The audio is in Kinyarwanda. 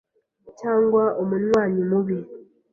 cyangwa umunywanyi mubi,